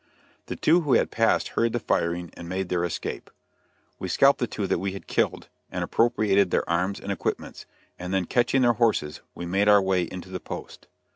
The two who had passed heard the firing and made their escape. We scalped the two that we had killed, and appropriated their arms and equipments; and then catching their horses, we made our way into the post.